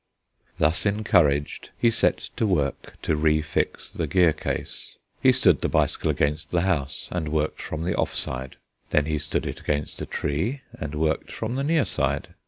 Thus encouraged, he set to work to refix the gear case. He stood the bicycle against the house, and worked from the off side. Then he stood it against a tree, and worked from the near side.